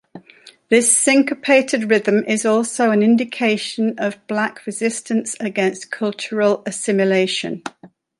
This syncopated rhythm is also an indication of Black resistance against cultural assimilation.